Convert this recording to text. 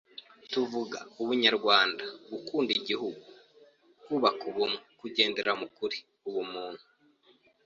twavuga: Ubunyarwanda, Gukunda Igihugu, Kubaka Ubumwe kugendera ku kuri, ubumuntu